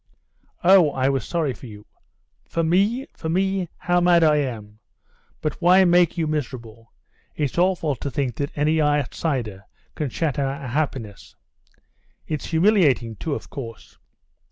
"Oh, I was sorry for you." "For me? for me? How mad I am!... But why make you miserable? It's awful to think that any outsider can shatter our happiness." "It's humiliating too, of course."